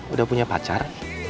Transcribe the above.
udah punya pacar